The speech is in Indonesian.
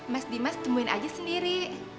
mas dimas tungguin aja sendiri